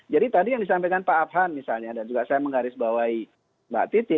jadi tadi yang disampaikan pak abhan misalnya dan juga saya menggaris bawahi mbak titi